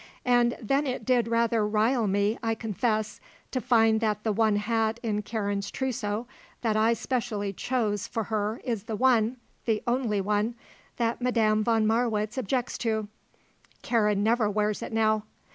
And then it did rather rile me, I confess, to find that the one hat in Karen's trousseau that I specially chose for her is the one the only one that Madame von Marwitz objects to. Karen never wears it now.